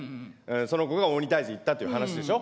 その子が鬼退治行ったっていう話でしょ。